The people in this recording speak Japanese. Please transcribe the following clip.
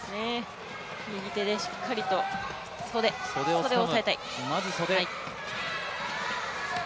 右手でしっかりと袖を押さえたい。